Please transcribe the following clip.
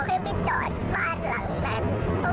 ก็ขี่ไปตามแล้วเขาก็บอกให้ไปจอดบ้านหลังนั้น